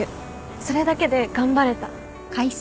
それだけで頑張れた。